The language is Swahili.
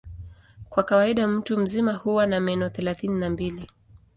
Kwa kawaida mtu mzima huwa na meno thelathini na mbili.